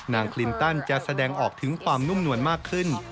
คลินตันจะแสดงออกถึงความนุ่มนวลมากขึ้น